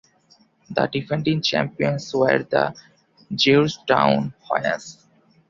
The defending champions were the Georgetown Hoyas.